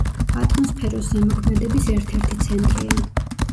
ატმოსფეროს ზემოქმედების ერთ-ერთი ცენტრია.